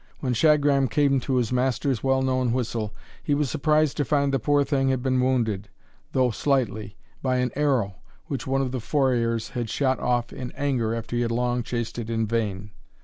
When Shagram came to his master's well known whistle, he was surprised to find the poor thing had been wounded, though slightly, by an arrow, which one of the forayers had shot off in anger after he had long chased it in vain.